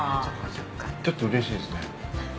ちょっとうれしいですね。